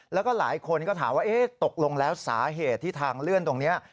แล้วก็หลายคนก็ถามว่าตกลงแล้วสาเหตุที่ทางเลื่อนตรงนี้